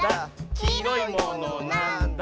「きいろいものなんだ？」